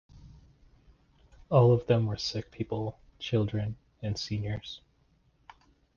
All of them were sick people, children and seniors.